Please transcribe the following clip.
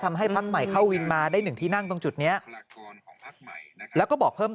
ทำให้พักใหม่เข้าวินได้หนึ่งที่นั่งตรงจุดเนี้ยแล้ว